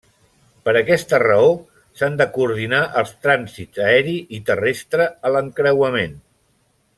Per aquesta raó s'han de coordinar els trànsits aeri i terrestre a l'encreuament.